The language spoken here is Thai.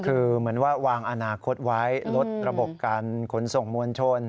คือเหมือนว่าวางอนาคตไว้ลดระบบการขนส่งมวลชน